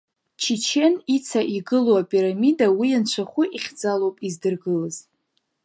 Чичен Ица игылоу апирамида уи анцәахәы ихьӡалоуп издыргылаз.